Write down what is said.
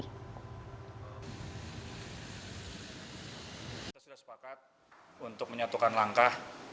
kita sudah sepakat untuk menyatukan langkah